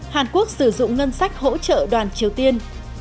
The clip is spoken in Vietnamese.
hàn quốc sử dụng ngân sách hỗ trợ đoàn triều tiên